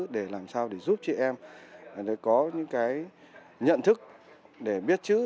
để làm sao để giúp chị em có những cái nhận thức để biết chữ